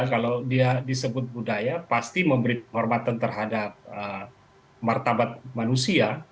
kalau dia disebut budaya pasti memberi kehormatan terhadap martabat manusia